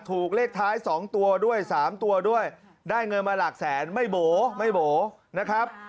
ถูกเลขท้าย๒ตัวด้วย๓ตัวด้วยได้เงินมาหลักแสนไม่โบ๋ไม่โบ๋นะครับ